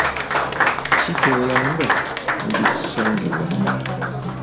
Kiki ky'olanga ne gye kisangibwa?